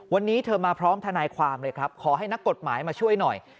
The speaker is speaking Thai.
วันนี้เธอมาพร้อมทนายความเลยครับขอให้นักกฎหมายมาช่วยหน่อย